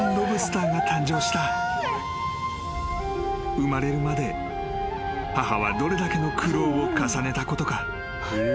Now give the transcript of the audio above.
［生まれるまで母はどれだけの苦労を重ねたことか］